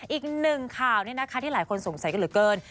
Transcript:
อีกหนึ่งข่าวที่หลายคนสงสัยกันเหลือเกิน